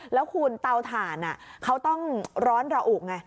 แล้วคุณเตาถ่านเขาต้องร้อนระอุไง